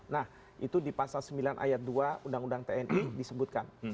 nah itu di pasal sembilan ayat dua undang undang tni disebutkan